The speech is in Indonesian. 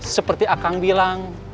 seperti akang bilang